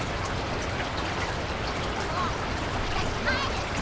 んもうわたしかえる！